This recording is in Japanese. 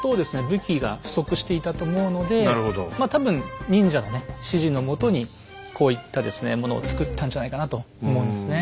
武器が不足していたと思うのでまあ多分忍者のね指示の下にこういったですねものを作ったんじゃないかなと思うんですね。